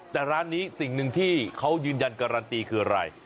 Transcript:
แต่ร้านนี้สิ่งหนึ่งที่เขายืนยันการันตีคืออะไร